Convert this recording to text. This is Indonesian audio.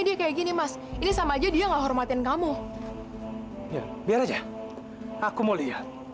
sampai jumpa di video selanjutnya